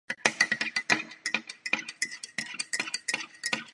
V samotné hrobce zůstaly uchovány ostatky pouze některých orgánů sultána.